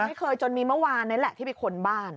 ไม่เคยจนมีเมื่อวานนั้นแหละที่ไปค้นบ้าน